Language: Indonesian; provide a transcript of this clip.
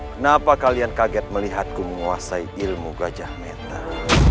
kenapa kalian kaget melihatku menguasai ilmu gajah meter